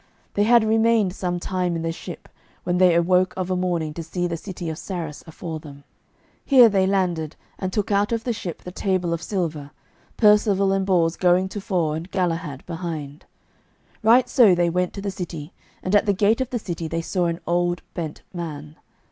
They had remained some time in the ship, when they awoke of a morning to see the city of Sarras afore them. Here they landed, and took out of the ship the table of silver, Percivale and Bors going tofore and Galahad behind. Right so they went to the city, and at the gate of the city they saw an old bent man.